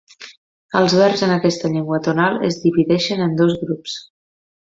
Els verbs en aquesta llengua tonal es divideixen en dos grups.